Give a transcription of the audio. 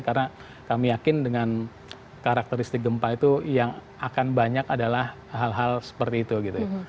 karena kami yakin dengan karakteristik gempa itu yang akan banyak adalah hal hal seperti itu gitu ya